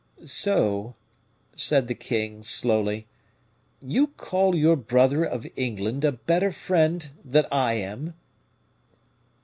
"So," said the king, slowly, "you call your brother of England a better friend than I am?"